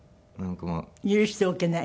許しておけない？